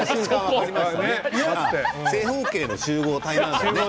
正方形の集合体なんだね。